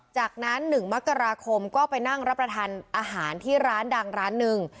จากนั้น๑มกราคมก็ไปนั่งรับประทานอาหารที่ร้านดังร้านหนึ่ง